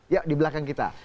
ya di belakang kita